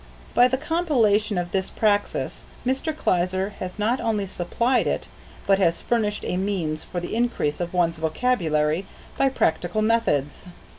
By the compilation of this praxis, Mr. Kleiser has not only supplied it, but has furnished a means for the increase of one's vocabulary by practical methods.